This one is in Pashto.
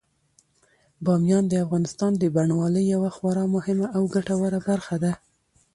بامیان د افغانستان د بڼوالۍ یوه خورا مهمه او ګټوره برخه ده.